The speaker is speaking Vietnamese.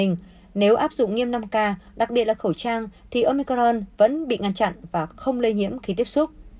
nếu áp dụng nghiêm năm k đặc biệt là khẩu trang thì omicron vẫn bị ngăn chặn và không lây nhiễm khi tiếp xúc